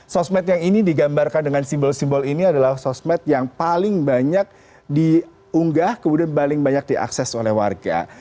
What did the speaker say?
sosmed yang ini digambarkan dengan simbol simbol ini adalah sosmed yang paling banyak diunggah kemudian paling banyak diakses oleh warga